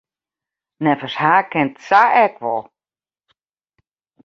Neffens har kin it sa ek wol.